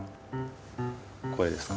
これですか？